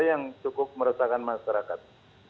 yang cukup meresahkan masyarakat